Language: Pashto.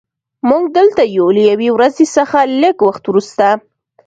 موږ دلته یو له یوې ورځې څخه لږ وخت وروسته